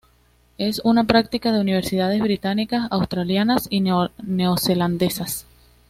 Es una práctica de universidades británicas, australianas y neozelandesas.